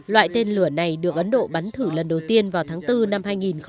loại tên lửa này được ấn độ bắn thử lần đầu tiên vào tháng bốn năm hai nghìn một mươi bảy